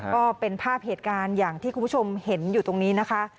ก็เป็นภาพเหตุการณ์อย่างที่คุณผู้ชมเห็นอยู่ตรงนี้นะคะ